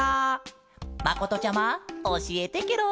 まことちゃまおしえてケロ。